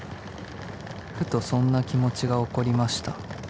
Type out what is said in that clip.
［ふとそんな気持ちが起こりました］